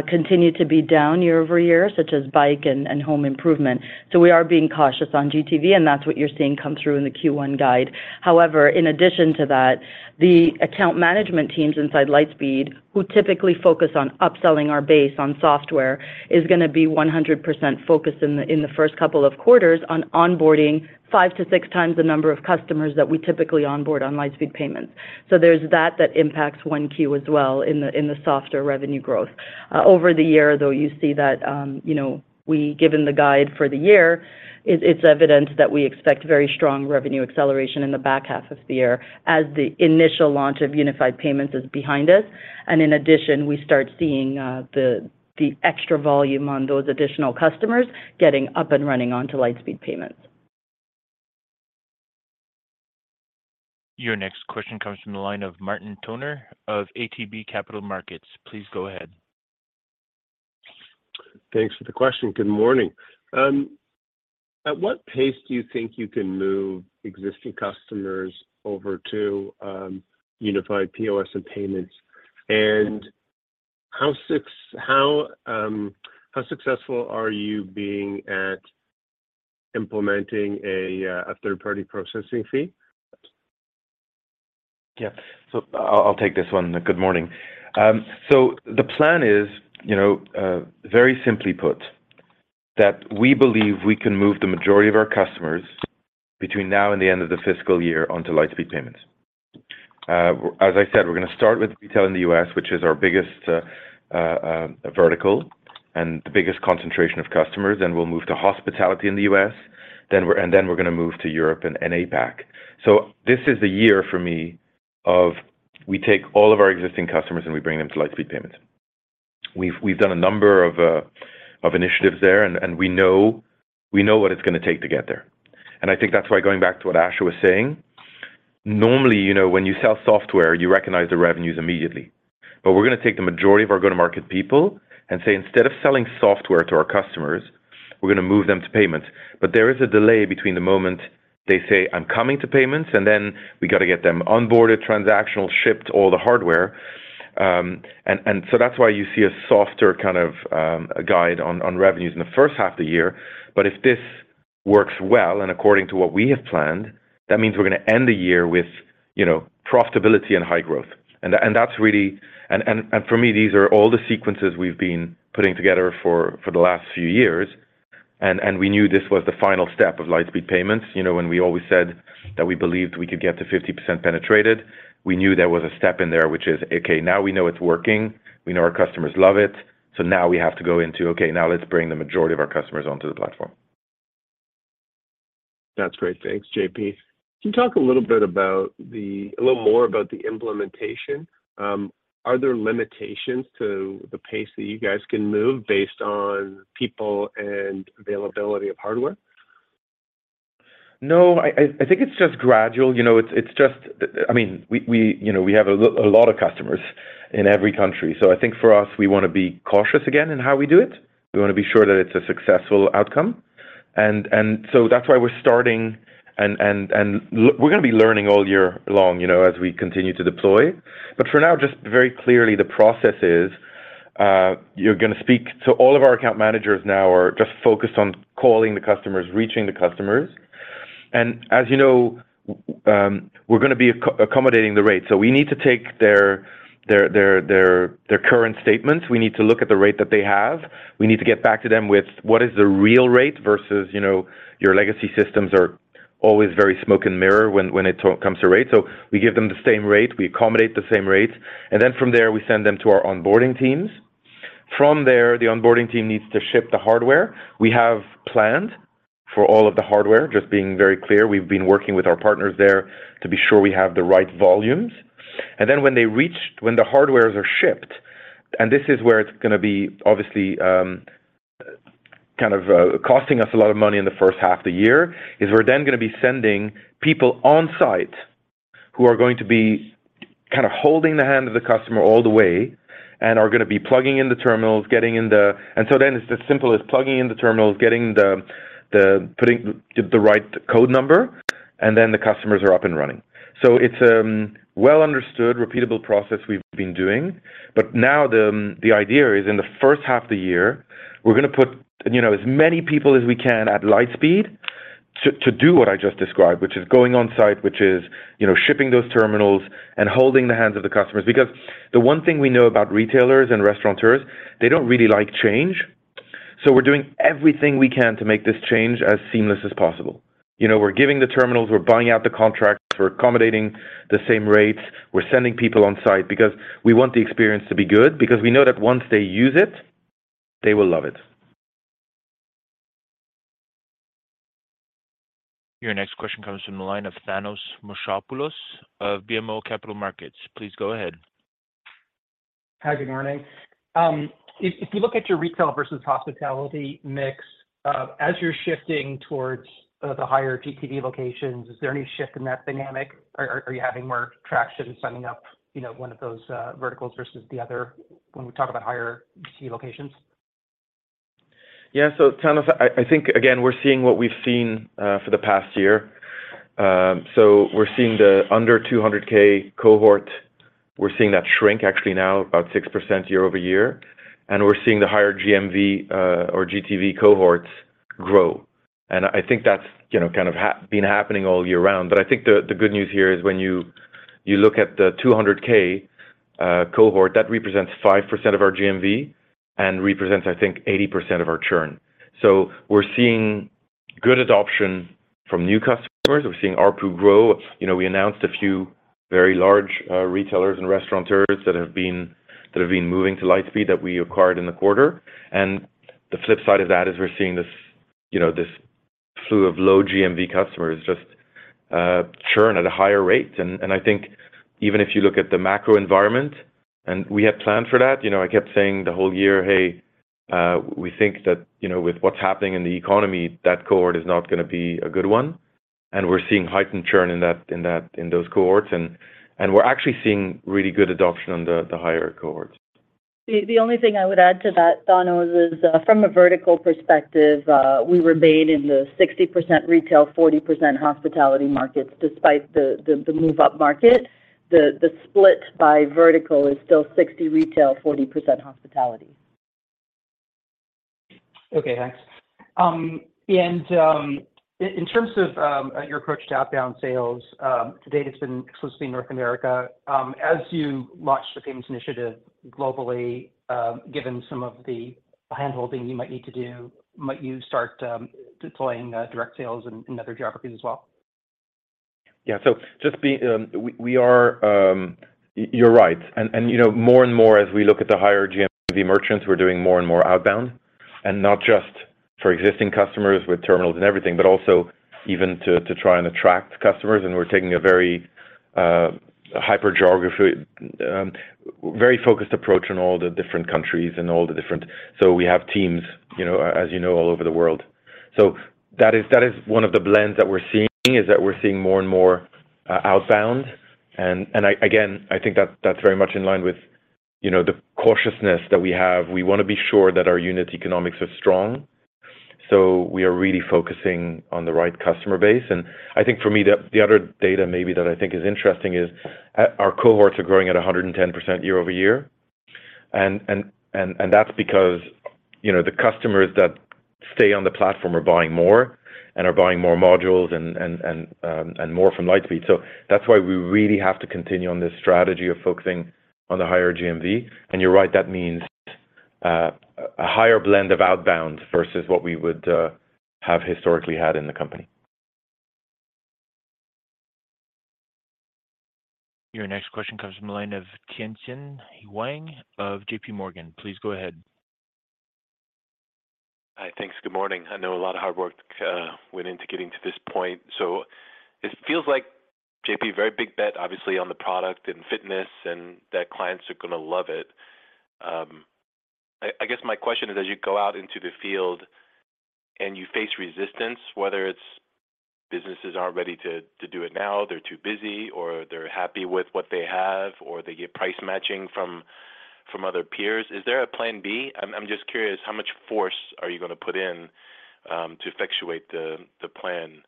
continue to be down year-over-year, such as bike and home improvement. We are being cautious on GTV, and that's what you're seeing come through in the Q1 guide. However, in addition to that, the account management teams inside Lightspeed, who typically focus on upselling our base on software, is gonna be 100% focused in the first couple of quarters on onboarding five to six times the number of customers that we typically onboard on Lightspeed Payments. There's that impacts one Q as well in the softer revenue growth. Over the year, though, you see that, you know, given the guide for the year, it's evident that we expect very strong revenue acceleration in the back half of the year as the initial launch of unified payments is behind us. In addition, we start seeing, the extra volume on those additional customers getting up and running onto Lightspeed Payments. Your next question comes from the line of Martin Toner of ATB Capital Markets. Please go ahead. Thanks for the question. Good morning. At what pace do you think you can move existing customers over to unified POS and payments? How successful are you being at implementing a third-party processing fee? Yeah. I'll take this one. Good morning. The plan is, you know, very simply put, that we believe we can move the majority of our customers between now and the end of the fiscal year onto Lightspeed Payments. As I said, we're gonna start with retail in the US, which is our biggest vertical and the biggest concentration of customers. We'll move to hospitality in the US. We're gonna move to Europe and APAC. This is the year for me of we take all of our existing customers, we bring them to Lightspeed Payments. We've done a number of initiatives there, we know what it's gonna take to get there. I think that's why going back to what Asha was saying, normally, you know, when you sell software, you recognize the revenues immediately. We're gonna take the majority of our go-to-market people and say, "Instead of selling software to our customers, we're gonna move them to payments." There is a delay between the moment they say, "I'm coming to payments," and then we gotta get them onboarded, transactional, shipped, all the hardware. And so that's why you see a softer kind of guide on revenues in the first half of the year. If this works well and according to what we have planned, that means we're gonna end the year with, you know, profitability and high growth. For me, these are all the sequences we've been putting together for the last few years, and we knew this was the final step of Lightspeed Payments. You know, when we always said that we believed we could get to 50% penetrated, we knew there was a step in there, which is, okay, now we know it's working, we know our customers love it, so now we have to go into, okay, now let's bring the majority of our customers onto the platform. That's great. Thanks, JP. Can you talk a little bit about a little more about the implementation? Are there limitations to the pace that you guys can move based on people and availability of hardware? No, I think it's just gradual. You know, it's just I mean, we, you know, we have a lot of customers in every country. I think for us, we wanna be cautious again in how we do it. We wanna be sure that it's a successful outcome. That's why we're starting and we're gonna be learning all year long, you know, as we continue to deploy. For now, just very clearly the process is, you're gonna speak to all of our account managers now are just focused on calling the customers, reaching the customers. As you know, we're going to be accommodating the rate. We need to take their current statements. We need to look at the rate that they have. We need to get back to them with what is the real rate versus, you know, your legacy systems are always very smoke and mirror when it comes to rate. We give them the same rate, we accommodate the same rate. From there, we send them to our onboarding teams. From there, the onboarding team needs to ship the hardware. We have planned for all of the hardware, just being very clear. We've been working with our partners there to be sure we have the right volumes. When the hardwares are shipped, this is where it's going to be obviously, kind of, costing us a lot of money in the first half of the year, is we're then going to be sending people on site who are going to be kind of holding the hand of the customer all the way and are going to be plugging in the terminals, getting in the. Then it's as simple as plugging in the terminals, getting the, putting the right code number, and then the customers are up and running. It's a well understood, repeatable process we've been doing. Now the idea is in the first half of the year, we're going to put, you know, as many people as we can at Lightspeed to do what I just described, which is going on site, which is, you know, shipping those terminals and holding the hands of the customers. The one thing we know about retailers and restaurateurs, they don't really like change. We're doing everything we can to make this change as seamless as possible. You know, we're giving the terminals, we're buying out the contracts, we're accommodating the same rates, we're sending people on site because we want the experience to be good, because we know that once they use it, they will love it. Your next question comes from the line of. Please go ahead. Hi, good morning. if you look at your retail versus hospitality mix, as you're shifting towards the higher GTV locations, is there any shift in that dynamic? Are you having more traction signing up, you know, one of those verticals versus the other when we talk about higher G locations? Thanos, I think again, we're seeing what we've seen for the past year. We're seeing the under 200K cohort. We're seeing that shrink actually now about 6% year-over-year, and we're seeing the higher GMV or GTV cohorts grow. I think that's, you know, been happening all year round. I think the good news here is when you look at the 200K cohort, that represents 5% of our GMV and represents, I think 80% of our churn. We're seeing good adoption from new customers. We're seeing ARPU grow. You know, we announced a few very large retailers and restaurateurs that have been moving to Lightspeed that we acquired in the quarter. The flip side of that is we're seeing this, you know, this flu of low GMV customers just churn at a higher rate. I think even if you look at the macro environment, we had planned for that. You know, I kept saying the whole year, "Hey, we think that, you know, with what's happening in the economy, that cohort is not going to be a good one." We're seeing heightened churn in those cohorts. We're actually seeing really good adoption on the higher cohorts. The only thing I would add to that, Thanos, is, from a vertical perspective, we remain in the 60% retail, 40% hospitality markets despite the move up market. The split by vertical is still 60% retail, 40% hospitality. Okay, thanks. In terms of, your approach to outbound sales, to date it's been exclusively North America. As you launch the payments initiative globally, given some of the handholding you might need to do, might you start, deploying, direct sales in other geographies as well? Yeah. We are. You're right. You know, more and more as we look at the higher GMV merchants, we're doing more and more outbound, and not just for existing customers with terminals and everything, but also even to try and attract customers. We're taking a very hyper geography, very focused approach in all the different countries. We have teams, you know, as you know, all over the world. That is one of the blends that we're seeing, is that we're seeing more and more outbound. Again, I think that's very much in line with, you know, the cautiousness that we have. We want to be sure that our unit economics are strong, so we are really focusing on the right customer base. I think for me, the other data maybe that I think is interesting is our cohorts are growing at 110% year-over-year. That's because, you know, the customers that stay on the platform are buying more and are buying more modules and more from Lightspeed. That's why we really have to continue on this strategy of focusing on the higher GMV. You're right, that means a higher blend of outbound versus what we would have historically had in the company. Your next question comes from the line of Tien-Tsin Huang of JPMorgan. Please go ahead. Hi. Thanks. Good morning. I know a lot of hard work went into getting to this point. It feels like JP, very big bet, obviously on the product and fitness and that clients are going to love it. I guess my question is, as you go out into the field and you face resistance, whether it's businesses aren't ready to do it now, they're too busy, or they're happy with what they have, or they get price matching from other peers, is there a plan B? I'm just curious how much force are you going to put in to effectuate the plan?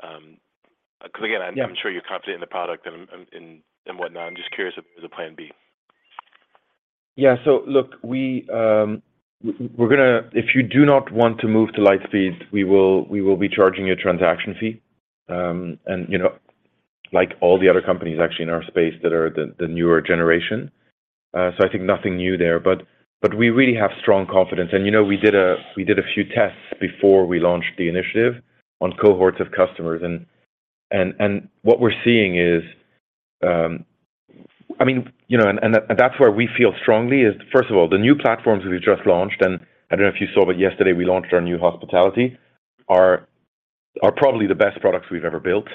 'Cause again. Yeah. I'm sure you're confident in the product and whatnot. I'm just curious if there's a plan B. Yeah. Look, If you do not want to move to Lightspeed, we will be charging you a transaction fee, you know, like all the other companies actually in our space that are the newer generation. I think nothing new there, but we really have strong confidence. you know, we did a few tests before we launched the initiative on cohorts of customers. What we're seeing is. I mean, you know, that's where we feel strongly is, first of all, the new platforms we just launched, and I don't know if you saw, but yesterday we launched our new hospitality are probably the best products we've ever built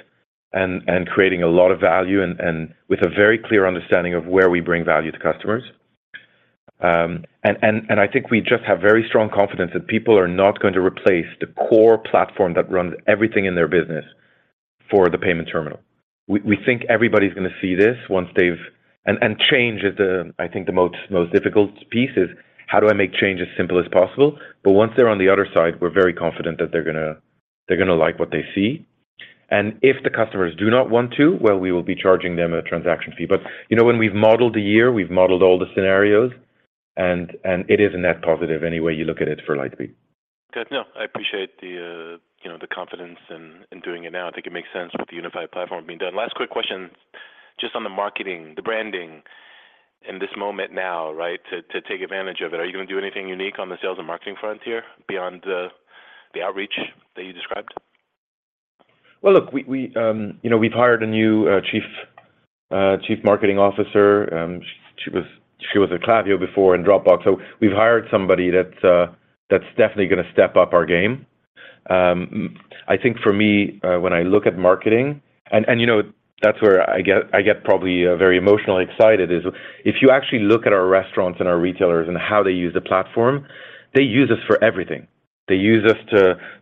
and creating a lot of value and with a very clear understanding of where we bring value to customers. I think we just have very strong confidence that people are not going to replace the core platform that runs everything in their business for the payment terminal. We think everybody's gonna see this once they've... Change is the, I think, the most difficult piece, is how do I make change as simple as possible? Once they're on the other side, we're very confident that they're gonna like what they see. If the customers do not want to, well, we will be charging them a transaction fee. You know, when we've modeled the year, we've modeled all the scenarios, and it is a net positive any way you look at it for Lightspeed. Good. No, I appreciate the, you know, the confidence in doing it now. I think it makes sense with the unified platform being done. Last quick question, just on the marketing, the branding in this moment now, right, to take advantage of it, are you gonna do anything unique on the sales and marketing front here beyond the outreach that you described? Well, look, you know, we've hired a new chief marketing officer. She was at Klaviyo before and Dropbox. We've hired somebody that's definitely gonna step up our game. I think for me, when I look at marketing... you know, that's where I get probably very emotionally excited is if you actually look at our restaurants and our retailers and how they use the platform, they use us for everything. They use us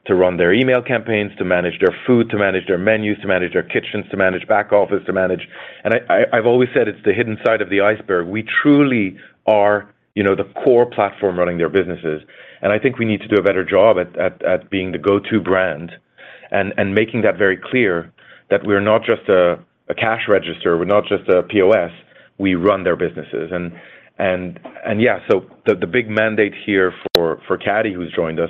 to run their email campaigns, to manage their food, to manage their menus, to manage their kitchens, to manage back office, to manage... I've always said it's the hidden side of the iceberg. We truly are, you know, the core platform running their businesses, and I think we need to do a better job at being the go-to brand and making that very clear that we're not just a cash register, we're not just a POS, we run their businesses. Yeah. The big mandate here for Kady who's joined us,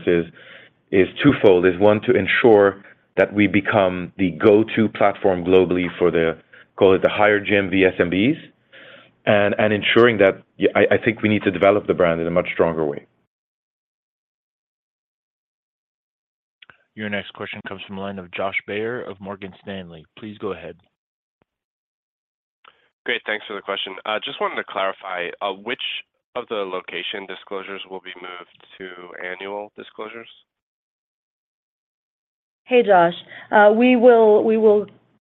is twofold. One, to ensure that we become the go-to platform globally for the, call it the higher GMV SMBs, and ensuring that... I think we need to develop the brand in a much stronger way. Your next question comes from the line of Josh Baer of Morgan Stanley. Please go ahead. Great. Thanks for the question. Just wanted to clarify, which of the location disclosures will be moved to annual disclosures? Hey, Josh.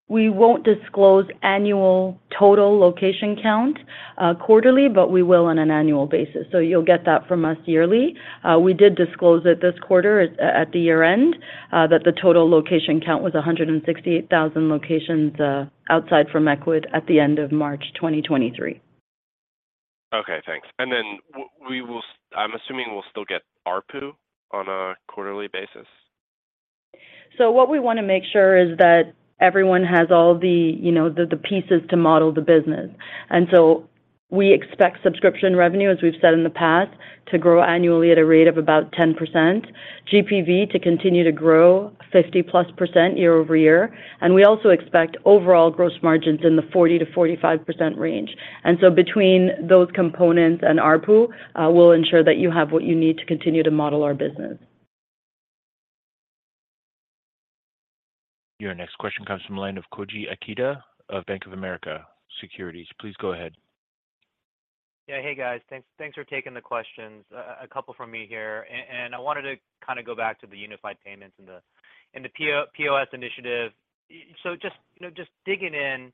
We won't disclose annual total location count, quarterly, but we will on an annual basis. You'll get that from us yearly. We did disclose it this quarter at the year-end, that the total location count was 168,000 locations, outside from Ecwid at the end of March 2023. Okay, thanks. I'm assuming we'll still get ARPU on a quarterly basis? What we wanna make sure is that everyone has all the, you know, the pieces to model the business. We expect subscription revenue, as we've said in the past, to grow annually at a rate of about 10%, GPV to continue to grow 50%+ year-over-year, and we also expect overall gross margins in the 40%-45% range. Between those components and ARPU, we'll ensure that you have what you need to continue to model our business. Your next question comes from the line of Koji Ikeda of Bank of America Securities. Please go ahead. Yeah. Hey, guys. Thanks for taking the questions. A couple from me here. And I wanted to kinda go back to the unified payments and the POS initiative. Just, you know, just digging in,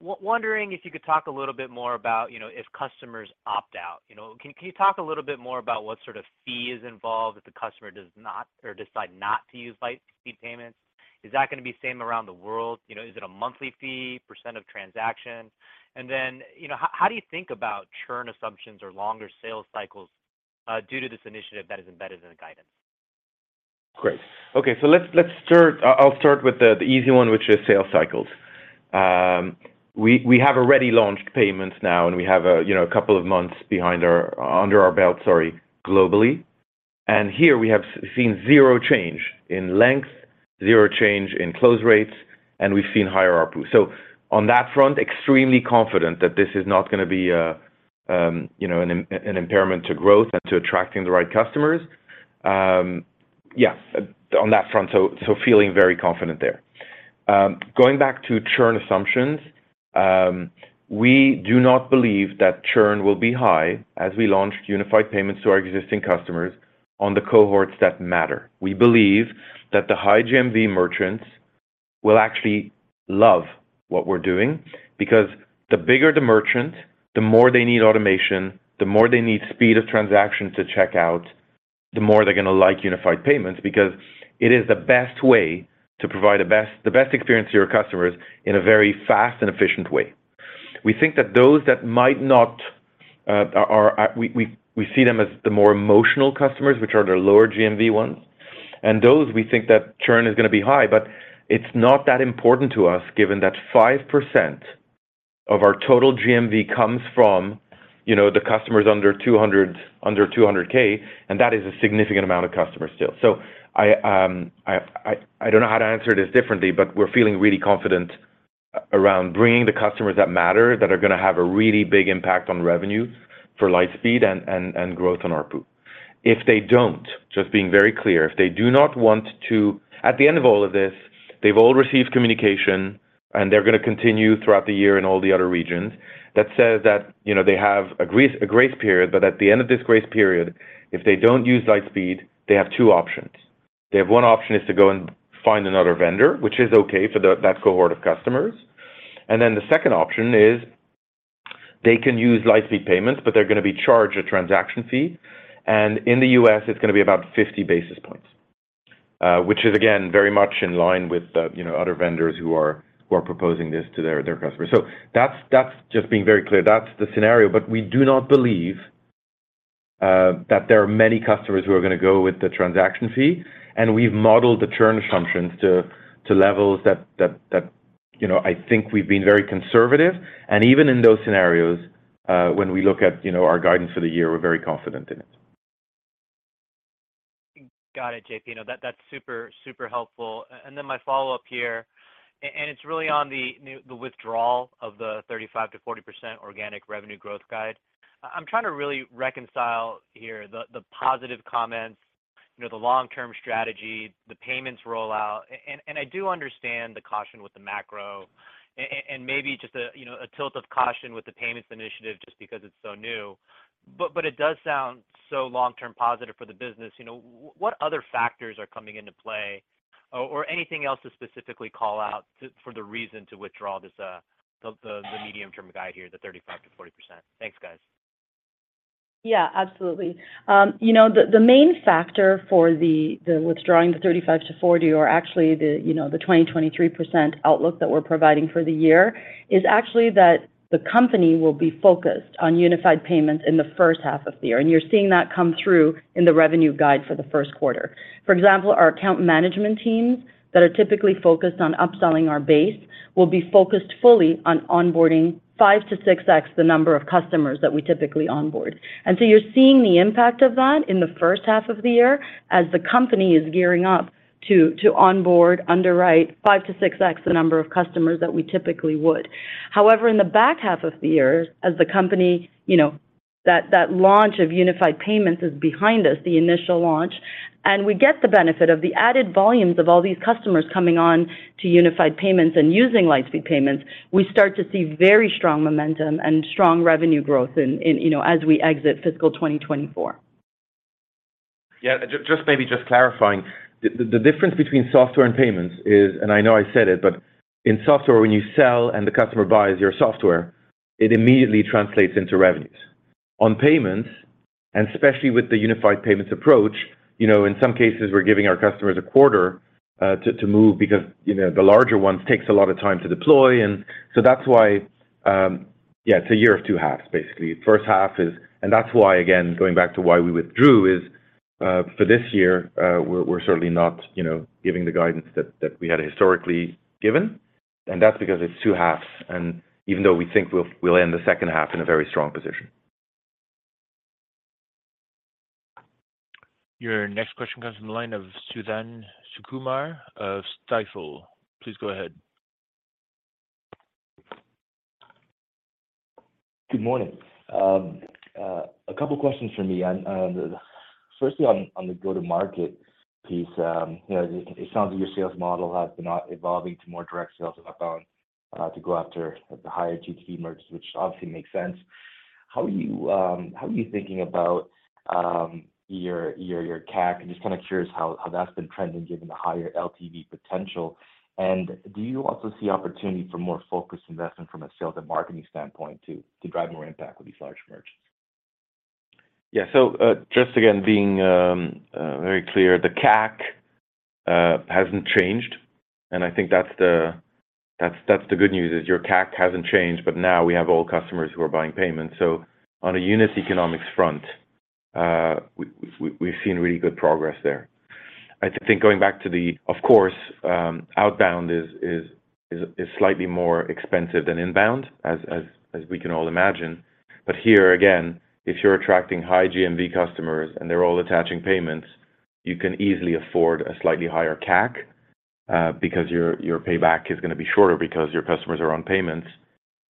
wondering if you could talk a little bit more about, you know, if customers opt out? You know, can you talk a little bit more about what sort of fee is involved if the customer does not or decide not to use Lightspeed Payments? Is that gonna be same around the world? You know, is it a monthly fee, % of transaction? Then, you know, how do you think about churn assumptions or longer sales cycles due to this initiative that is embedded in the guidance? Great. Okay. Let's start. I'll start with the easy one, which is sales cycles. We have already launched payments now, and we have a, you know, a couple of months under our belt, sorry, globally. Here we have seen zero change in length, zero change in close rates, and we've seen higher ARPU. On that front, extremely confident that this is not gonna be a, you know, an impairment to growth and to attracting the right customers. Yeah, on that front, feeling very confident there. Going back to churn assumptions, we do not believe that churn will be high as we launch unified payments to our existing customers on the cohorts that matter. We believe that the high GMV merchants will actually love what we're doing because the bigger the merchant, the more they need automation, the more they need speed of transaction to check out, the more they're gonna like unified payments because it is the best way to provide the best experience to your customers in a very fast and efficient way. We think that those that might not are. We see them as the more emotional customers, which are the lower GMV ones. Those we think that churn is gonna be high, but it's not that important to us given that 5% of our total GMV comes from, you know, the customers under $200K, and that is a significant amount of customers still. I don't know how to answer this differently, but we're feeling really confident around bringing the customers that matter that are gonna have a really big impact on revenue for Lightspeed and growth on ARPU. If they don't, just being very clear, if they do not want to. At the end of all of this, they've all received communication, and they're gonna continue throughout the year in all the other regions that says that, you know, they have a grace period, but at the end of this grace period, if they don't use Lightspeed, they have two options. They have one option is to go and find another vendor, which is okay for that cohort of customers. The second option is they can use Lightspeed Payments, but they're gonna be charged a transaction fee. In the U.S., it's gonna be about 50 basis points, which is again, very much in line with the, you know, other vendors who are proposing this to their customers. That's just being very clear. That's the scenario. We do not believe that there are many customers who are gonna go with the transaction fee, and we've modeled the churn assumptions to levels that, you know, I think we've been very conservative. Even in those scenarios, when we look at, you know, our guidance for the year, we're very confident in it. Got it, JP. That's super helpful. Then my follow-up here, and it's really on the withdrawal of the 35%-40% organic revenue growth guide. I'm trying to really reconcile here the positive comments, you know, the long-term strategy, the payments rollout. I do understand the caution with the macro and maybe just you know, a tilt of caution with the payments initiative just because it's so new. It does sound so long-term positive for the business. You know, what other factors are coming into play or anything else to specifically call out for the reason to withdraw this, the medium-term guide here, the 35%-40%? Thanks, guys. Yeah, absolutely. You know, the main factor for the withdrawing the 35%-40% or actually, you know, the 23% outlook that we're providing for the year is actually that the company will be focused on unified payments in the first half of the year. You're seeing that come through in the revenue guide for the first quarter. For example, our account management teams that are typically focused on upselling our base will be focused fully on onboarding 5-6x the number of customers that we typically onboard. You're seeing the impact of that in the first half of the year as the company is gearing up to onboard, underwrite 5-6x the number of customers that we typically would. In the back half of the year, as the company, you know, that launch of unified payments is behind us, the initial launch, and we get the benefit of the added volumes of all these customers coming on to unified payments and using Lightspeed Payments, we start to see very strong momentum and strong revenue growth in, you know, as we exit fiscal 2024. Yeah, just maybe just clarifying. The difference between software and payments is, and I know I said it, but in software, when you sell and the customer buys your software, it immediately translates into revenues. On payments, and especially with the unified payments approach, you know, in some cases, we're giving our customers a quarter to move because, you know, the larger ones takes a lot of time to deploy. That's why, yeah, it's a year of two halves, basically. First half is. That's why, again, going back to why we withdrew is for this year, we're certainly not, you know, giving the guidance that we had historically given, and that's because it's two halves. Even though we think we'll end the second half in a very strong position. Your next question comes from the line of Suthan Sukumar of Stifel. Please go ahead. Good morning. A couple questions from me. Firstly on the go-to-market piece, you know, it sounds like your sales model has been evolving to more direct sales outbound, to go after the higher LTV merchants, which obviously makes sense. How are you thinking about your CAC? I'm just kinda curious how that's been trending given the higher LTV potential. Do you also see opportunity for more focused investment from a sales and marketing standpoint to drive more impact with these large merchants? Just again, being very clear, the CAC hasn't changed, and I think that's the good news is your CAC hasn't changed, but now we have all customers who are buying payments. On a unit economics front, we've seen really good progress there. I think going back to Of course, outbound is slightly more expensive than inbound as we can all imagine. Here, again, if you're attracting high GMV customers and they're all attaching payments, you can easily afford a slightly higher CAC because your payback is gonna be shorter because your customers are on payments.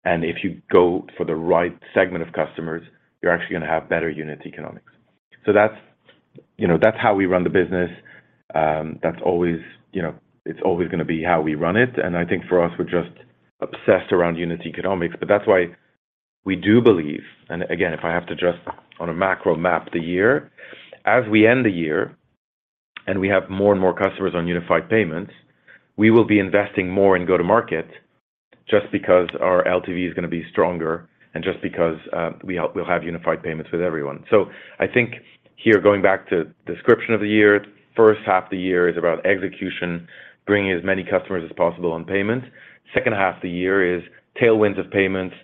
If you go for the right segment of customers, you're actually gonna have better unit economics. That's, you know, that's how we run the business. That's always, you know, it's always gonna be how we run it. I think for us, we're just obsessed around unit economics. That's why we do believe, and again, if I have to just on a macro map the year, as we end the year and we have more and more customers on unified payments, we will be investing more in go-to-market just because our LTV is gonna be stronger and just because, we'll have unified payments with everyone. I think here, going back to description of the year, first half of the year is about execution, bringing as many customers as possible on payments. Second half of the year is tailwinds of payments.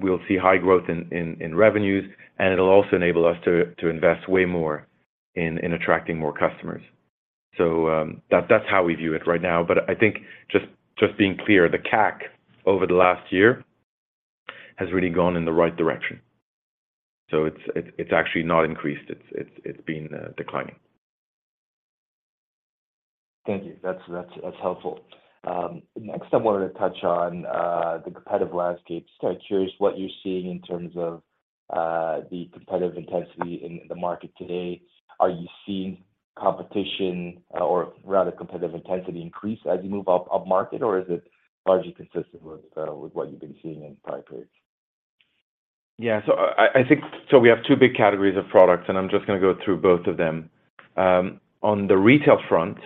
We'll see high growth in revenues, and it'll also enable us to invest way more in attracting more customers. That's how we view it right now. I think just being clear, the CAC over the last year has really gone in the right direction. It's actually not increased. It's been declining. Thank you. That's helpful. next I wanted to touch on the competitive landscape. Curious what you're seeing in terms of the competitive intensity in the market today. Are you seeing competition or rather competitive intensity increase as you move upmarket, or is it largely consistent with what you've been seeing in prior periods? I think we have two big categories of products, and I'm just gonna go through both of them. On the retail front,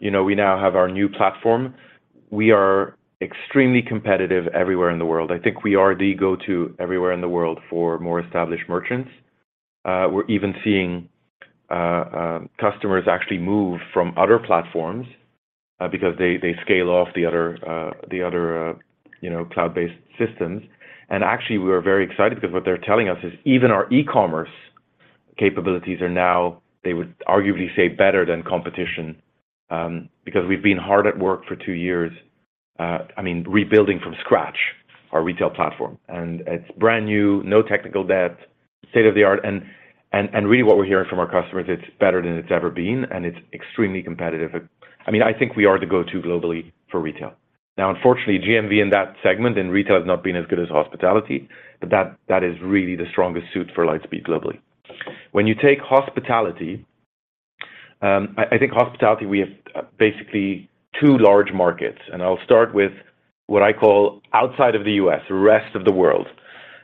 you know, we now have our new platform. We are extremely competitive everywhere in the world. I think we are the go-to everywhere in the world for more established merchants. We're even seeing customers actually move from other platforms because they scale off the other, the other, you know, cloud-based systems. Actually, we are very excited because what they're telling us is even our e-commerce capabilities are now, they would arguably say better than competition because we've been hard at work for two years, I mean, rebuilding from scratch our retail platform. It's brand new, no technical debt, state-of-the-art. Really what we're hearing from our customers, it's better than it's ever been, and it's extremely competitive. I mean, I think we are the go-to globally for retail. Unfortunately, GMV in that segment, and retail has not been as good as hospitality, but that is really the strongest suit for Lightspeed globally. When you take hospitality, I think hospitality, we have basically two large markets, and I'll start with what I call outside of the U.S., rest of the world.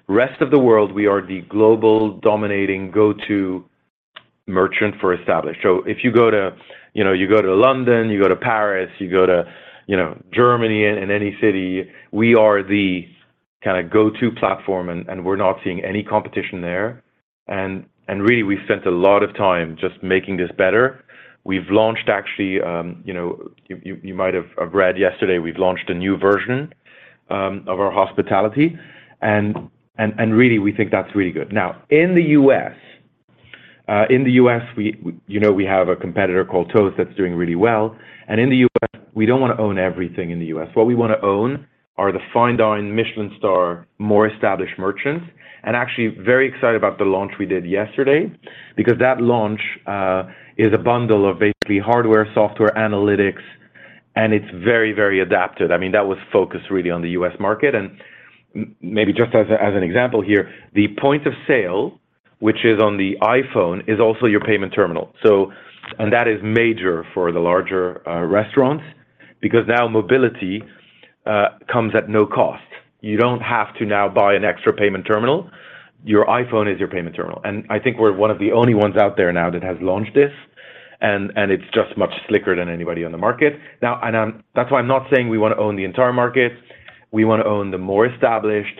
Rest of the world, we are the global dominating go-to merchant for established. If you go to, you know, you go to London, you go to Paris, you go to, you know, Germany in any city, we are the kinda go-to platform, and we're not seeing any competition there. Really, we've spent a lot of time just making this better. We've launched actually, you know, you might have read yesterday, we've launched a new version of our Lightspeed Restaurant, and really we think that's really good. In the U.S., we, you know, we have a competitor called Toast that's doing really well. In the U.S., we don't wanna own everything in the U.S. What we wanna own are the fine dine Michelin star, more established merchants, and actually very excited about the launch we did yesterday because that launch is a bundle of basically hardware, software, analytics, and it's very adapted. I mean, that was focused really on the U.S. market. Maybe just as an example here, the point of sale, which is on the iPhone, is also your payment terminal. That is major for the larger restaurants because now mobility comes at no cost. You don't have to now buy an extra payment terminal. Your iPhone is your payment terminal. I think we're one of the only ones out there now that has launched this, and it's just much slicker than anybody on the market. That's why I'm not saying we wanna own the entire market. We wanna own the more established,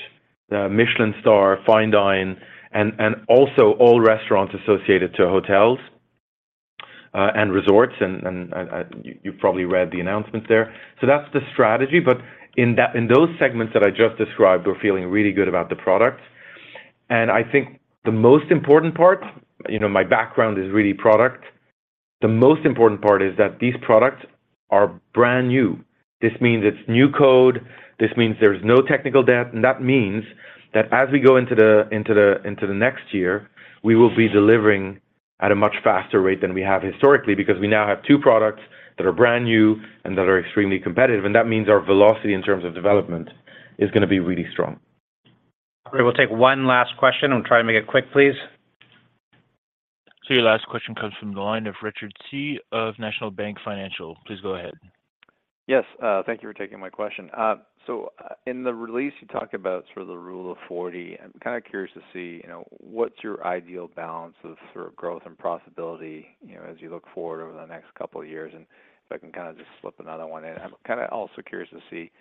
the Michelin star, fine dine, and also all restaurants associated to hotels and resorts, and you've probably read the announcements there. That's the strategy. In those segments that I just described, we're feeling really good about the product. I think the most important part, you know, my background is really product. The most important part is that these products are brand new. This means it's new code, this means there's no technical debt. That means that as we go into the next year, we will be delivering at a much faster rate than we have historically because we now have two products that are brand new and that are extremely competitive. That means our velocity in terms of development is gonna be really strong. Great. We'll take one last question, and try to make it quick, please. Your last question comes from the line of Richard Tse of National Bank Financial. Please go ahead. Yes. Thank you for taking my question. In the release, you talked about sort of the Rule of 40. I'm kinda curious to see, you know, what's your ideal balance of sort of growth and profitability, you know, as you look forward over the next couple of years. If I can kinda just slip another one in. I'm kinda also curious to see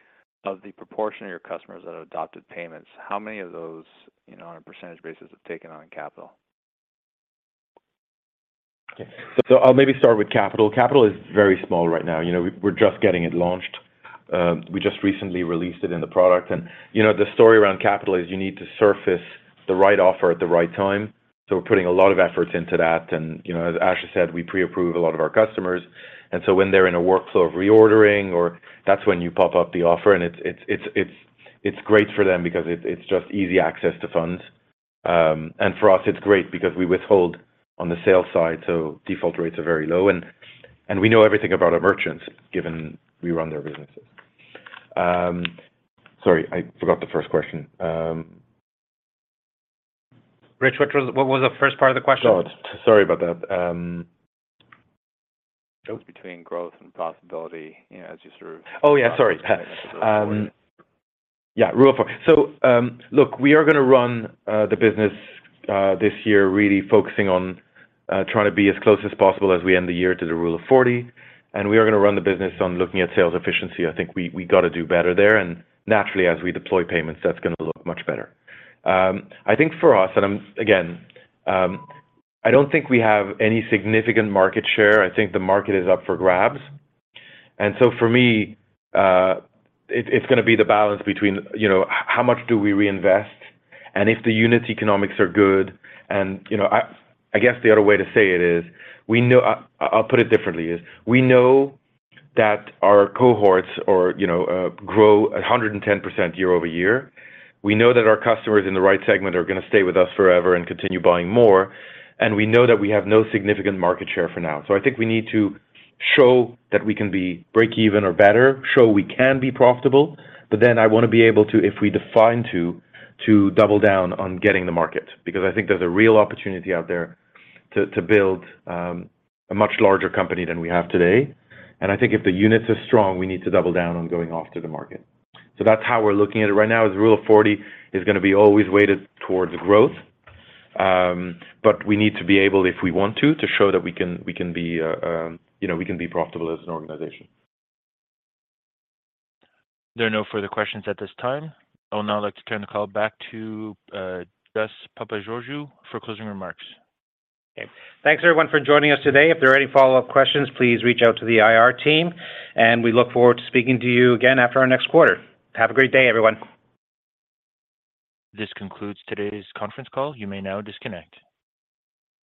of the proportion of your customers that have adopted payments, how many of those, you know, on a % basis, have taken on Capital? Okay. I'll maybe start with Capital. Capital is very small right now. You know, we're just getting it launched. We just recently released it in the product. You know, the story around Capital is you need to surface the right offer at the right time. We're putting a lot of efforts into that. You know, as Asha said, we pre-approve a lot of our customers. When they're in a workflow of reordering, that's when you pop up the offer, and it's great for them because it's just easy access to funds. And for us, it's great because we withhold on the sales side, so default rates are very low. And we know everything about our merchants, given we run their businesses. Sorry, I forgot the first question. Rich, what was the first part of the question? Sorry about that. It was between growth and profitability, you know, as you. Oh, yeah, sorry. Yeah, Rule of 40. Look, we are gonna run the business this year really focusing on trying to be as close as possible as we end the year to the Rule of 40, and we are gonna run the business on looking at sales efficiency. I think we gotta do better there. Naturally, as we deploy payments, that's gonna look much better. I think for us, and I'm again, I don't think we have any significant market share. I think the market is up for grabs. For me, it's gonna be the balance between, you know, how much do we reinvest, and if the unit economics are good. You know, I guess the other way to say it is, I'll put it differently, we know that our cohorts or, you know, grow 110% year-over-year. We know that our customers in the right segment are gonna stay with us forever and continue buying more, we know that we have no significant market share for now. I think we need to show that we can be break-even or better, show we can be profitable. I wanna be able to, if we define to double down on getting the market, because I think there's a real opportunity out there to build a much larger company than we have today. I think if the units are strong, we need to double down on going after the market. That's how we're looking at it right now, is Rule of 40 is gonna be always weighted towards growth. We need to be able, if we want to show that we can be, you know, profitable as an organization. There are no further questions at this time. I would now like to turn the call back to Gus Papageorgiou for closing remarks. Okay. Thanks, everyone, for joining us today. If there are any follow-up questions, please reach out to the IR team. We look forward to speaking to you again after our next quarter. Have a great day, everyone. This concludes today's conference call. You may now disconnect.